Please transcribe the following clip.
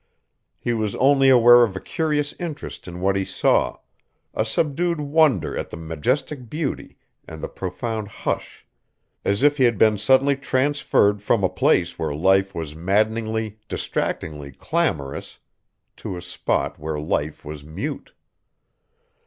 He was only aware of a curious interest in what he saw, a subdued wonder at the majestic beauty and the profound hush, as if he had been suddenly transferred from a place where life was maddeningly, distractingly clamorous to a spot where life was mute.